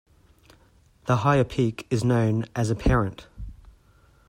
The higher peak is known as a 'parent'.